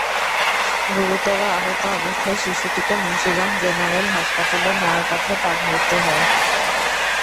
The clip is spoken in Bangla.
গুরুতর আহত অবস্থায় শিশুটিকে মুন্সিগঞ্জ জেনারেল হাসপাতালে নেওয়ার পথে তার মৃত্যু হয়।